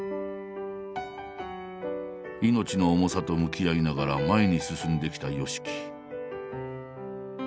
命の重さと向き合いながら前に進んできたＹＯＳＨＩＫＩ。